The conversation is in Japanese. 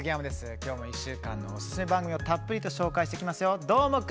きょうも１週間のおすすめ番組をたっぷりご紹介していきますよ。